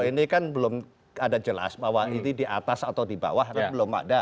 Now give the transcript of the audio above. ini kan belum ada jelas bahwa ini di atas atau di bawah kan belum ada